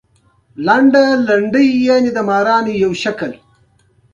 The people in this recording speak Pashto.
ایا زما خارښ به ورک شي؟